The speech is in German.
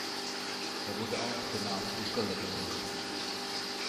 Er wurde auch „De Naas vun Kölle“ genannt.